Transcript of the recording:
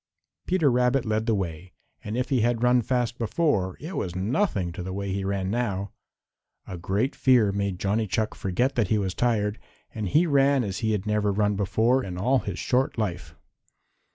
Peter Rabbit led the way, and if he had run fast before it was nothing to the way he ran now. A great fear made Johnny Chuck forget that he was tired, and he ran as he had never run before in all his short life.